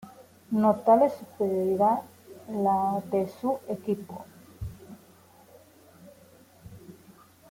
Notable superioridad la de su equipo.